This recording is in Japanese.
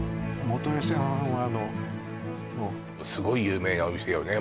本吉屋さんはあのすごい有名なお店よね